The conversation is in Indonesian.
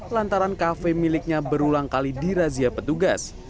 lantaran kafe miliknya berulang kali dirazia petugas